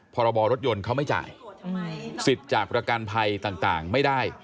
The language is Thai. พรบรถยนต์เขาไม่จ่ายสิทธิ์จากประกันภัยต่างไม่ได้